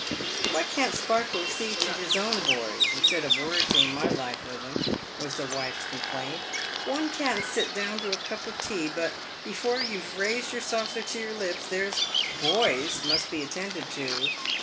" "Why can't Sparkler see to his own boys, 'stead of worretting my life with 'em," was the wife's complaint. " One can't sit down to a cup of tea but, before you've raised your saucer to your lips, there's boys must be attended to.